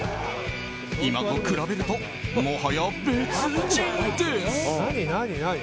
今と比べると、もはや別人です。